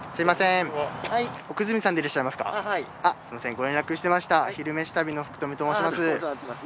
ご連絡してました「昼めし旅」の福冨と申します。